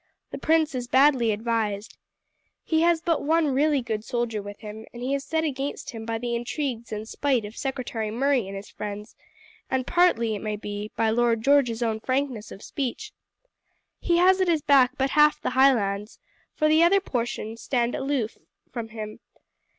The prince is badly advised. He has but one really good soldier with him, and he is set against him by the intrigues and spite of Secretary Murray and his friends, and partly, it may be, by Lord George's own frankness of speech. He has at his back but half the Highlands, for the other portion stand aloof from him.